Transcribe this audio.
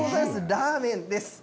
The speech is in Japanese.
ラーメンです。